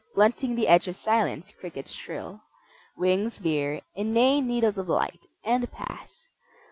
Blunting the edge of silence, crickets shrill. Wings veer: inane needles of light, and pass.